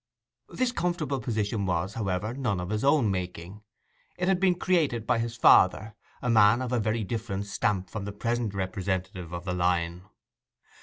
This comfortable position was, however, none of his own making. It had been created by his father, a man of a very different stamp from the present representative of the line.